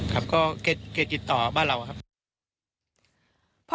ครับก็เก็บจิตต่อบ้านเราครับ